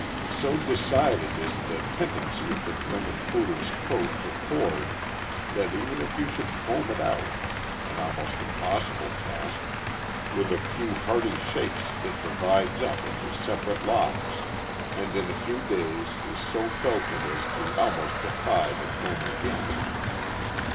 So decided is the tendency of the German Poodle's coat to cord, that even if you should comb it out (an almost impossible task), with a few hearty shakes it divides up THE POODLE. 619 into separate locks, and in a few days is so felted as to almost defy the comb again.